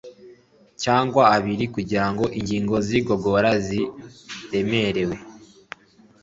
cyangwa abiri, kugira ngo ingingo z’igogora ziremerewe